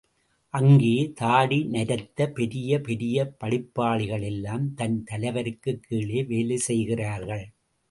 அங்கே, தாடி நரைத்த பெரிய பெரிய படிப்பாளிகளிலெல்லாம் தன் தலைவருக்குக் கீழே வேலை செய்கிறார்கள்.